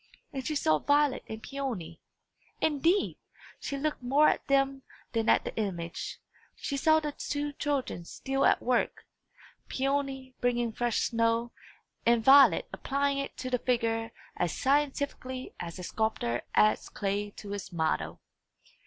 And she saw Violet and Peony indeed, she looked more at them than at the image she saw the two children still at work; Peony bringing fresh snow, and Violet applying it to the figure as scientifically as a sculptor adds clay to his model.